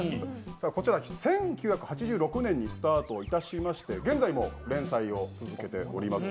こちら１９８６年にスタートいたしまして、現在も連載を続けております。